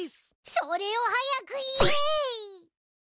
それを早く言え！